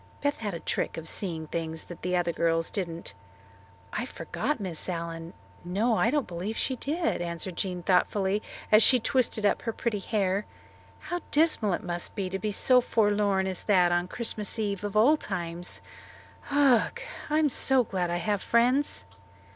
Beth had a trick of seeing things that other girls didn't. "I forgot Miss Allen. No, I don't believe she did," answered Jean thoughtfully as she twisted up her pretty hair. "How dismal it must be to be so forlorn as that on Christmas Eve of all times. Ugh! I'm glad I have friends."